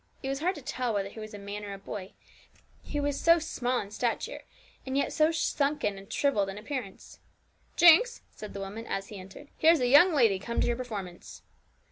It was hard to tell whether he was a man or a boy, he was so small in stature, and yet so sunken and shrivelled in appearance. 'Jinx,' said the woman as he entered, 'here's a young lady come to your performance.'